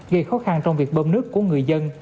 gây khó khăn trong việc bơm nước của người dân